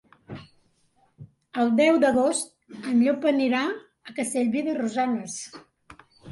El deu d'agost en Llop anirà a Castellví de Rosanes.